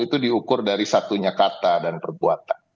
itu diukur dari satunya kata dan perbuatan